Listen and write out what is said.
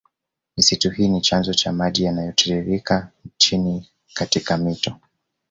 Misitu hii ni chanzo cha maji yanayotiririke chini katika mito